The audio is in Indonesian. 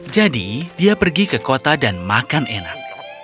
jadi dia pergi ke kota dan makan enak